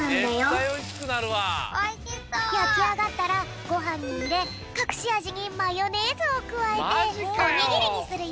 やきあがったらごはんにいれかくしあじにマヨネーズをくわえておにぎりにするよ！